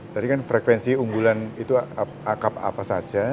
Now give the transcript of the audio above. tadi kan frekuensi unggulan itu akap apa saja